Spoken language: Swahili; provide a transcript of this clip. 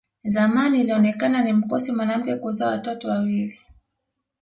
Zamani ilionekana ni mkosi mwanamke kuzaa watoto wawili